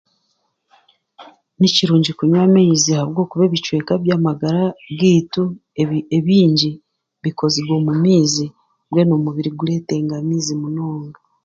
Ni kirungi kunywa amaizi ahabwokuba ebicweka by'amagara byaitu ebingi bikozirwe omu maizi mbwenu omubiri gwaitu gureetenga amaizi munonga.